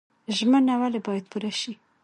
ژمنه ولې باید پوره شي؟